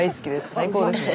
最高ですね。